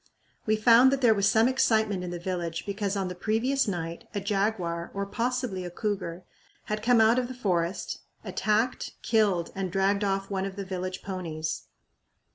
We found that there was some excitement in the village because on the previous night a jaguar, or possibly a cougar, had come out of the forest, attacked, killed, and dragged off one of the village ponies.